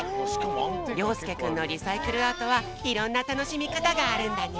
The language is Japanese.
りょうすけくんのリサイクルアートはいろんなたのしみかたがあるんだね！